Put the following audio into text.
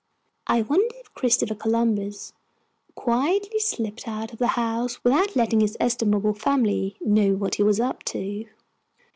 I wonder if Christopher Columbus quietly slipped out of the house without letting his estimable family know what he was up to?